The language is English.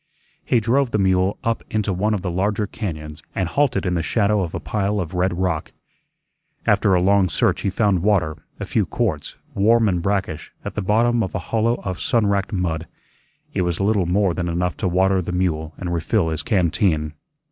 He drove the mule up into one of the larger cañóns and halted in the shadow of a pile of red rock. After a long search he found water, a few quarts, warm and brackish, at the bottom of a hollow of sunwracked mud; it was little more than enough to water the mule and refill his canteen.